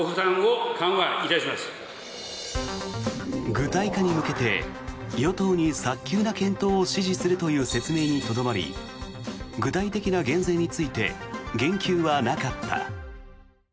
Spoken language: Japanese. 具体化に向けて、与党に早急な検討を指示するという説明にとどまり具体的な減税について言及はなかった。